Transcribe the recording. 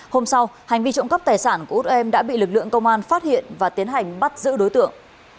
hôm sau hành vi trộm cắp tài sản của út em đã bị lực lượng công an phát hiện và tiến hành bắt giữ đối tượng